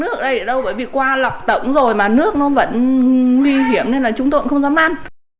ở đây đâu bởi vì qua lọc tổng rồi mà nước nó vẫn nguy hiểm nên là chúng tôi cũng không dám ăn